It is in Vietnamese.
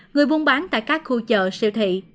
người buôn bán tại các khu chợ siêu thị